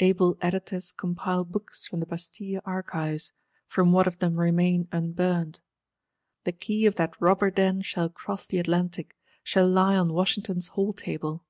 _ Able Editors compile Books from the Bastille Archives; from what of them remain unburnt. The Key of that Robber Den shall cross the Atlantic; shall lie on Washington's hall table.